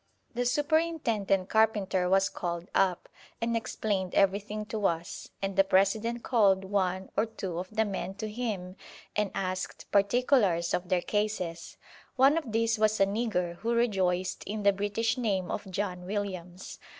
The superintendent carpenter was called up, and explained everything to us, and the President called one or two of the men to him and asked particulars of their cases. One of these was a nigger who rejoiced in the British name of John Williams.